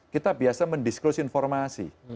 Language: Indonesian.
kita biasa mendisklusi informasi